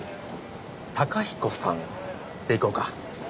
「貴彦さん」でいこうか。